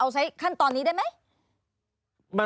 เอาใช้ขั้นตอนนี้ได้ไหม